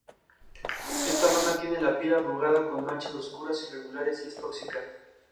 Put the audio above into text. Eva Franch ha comisariado proyectos internacionales y ha recibido numerosos premios y becas.